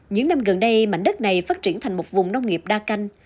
những năm gần đây mảnh đất này phát triển thành một vùng nông nghiệp đa canh